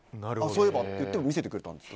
そういえばって言って見せてくれたんです。